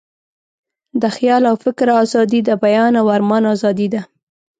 د خیال او فکر آزادي، د بیان او آرمان آزادي ده.